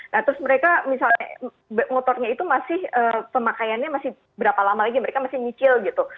nah terus mereka misalnya motornya itu masih pemakaiannya masih berapa lama lagi mereka masih nyicil gitu